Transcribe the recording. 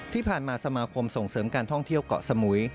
ที่ผ่านมาสมาคมส่งเสริมการท่องเที่ยวเกาะสมุย